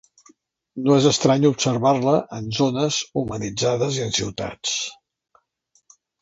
No és estrany observar-la en zones humanitzades i en ciutats.